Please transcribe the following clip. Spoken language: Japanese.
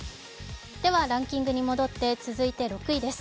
ランキングに戻って続いて６位です。